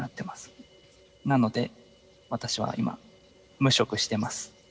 なので私は今無職してます。